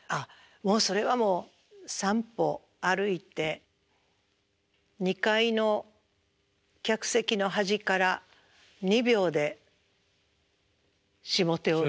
もうそれは３歩歩いて２階の客席の端から２秒で下手を見る。